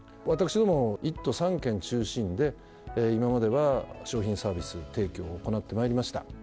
私ども一都三県中心で今までは商品サービス提供を行ってまいりました。